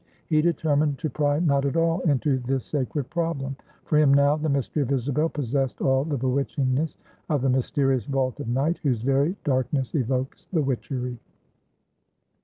He determined to pry not at all into this sacred problem. For him now the mystery of Isabel possessed all the bewitchingness of the mysterious vault of night, whose very darkness evokes the witchery.